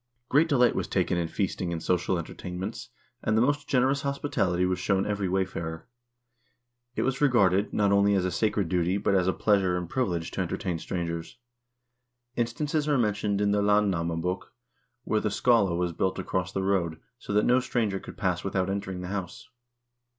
Great delight was taken in feasting and social entertainments, THE VIKING PERIOD 89 and the most generous hospitality was shown every wayfarer. It was regarded, not only as a sacred duty, but as a pleasure and a priv ilege to entertain strangers. Instances are mentioned in the "Landnamabok" where the skaale was built across the road, so that no stranger could pass without entering the house.